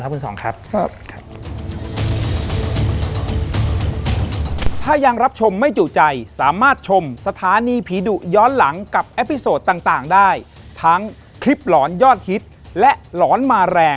ขอบคุณครับคุณสองครับ